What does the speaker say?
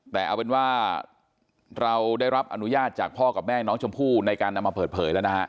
แต่เอาเป็นว่าเราได้รับอนุญาตจากพ่อกับแม่น้องชมพู่ในการนำมาเปิดเผยแล้วนะฮะ